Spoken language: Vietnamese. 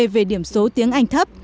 về điểm số tiếng anh thấp